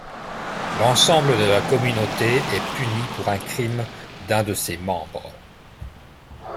L'ensemble de la communauté est punie pour un crime d'un de ses membres.